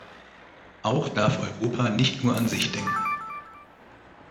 Auch darf Europa nicht nur an sich denken.